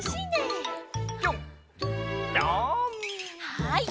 はい。